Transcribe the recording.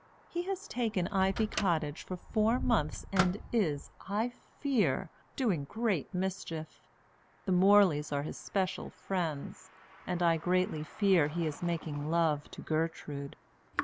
He has taken Ivy Cottage for four mouths, and is, I fear, doing great mischief. The Morleys are his special friends, and I greatly fear he is making love to Gertrude.